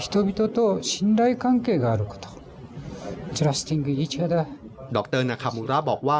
ดรนาคามูระบอกว่า